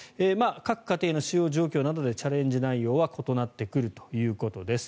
各家庭の使用状況などでチャレンジ内容は異なってくるということです。